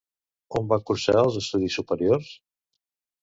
On va cursar els estudis superiors?